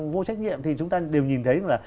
vô trách nhiệm thì chúng ta đều nhìn thấy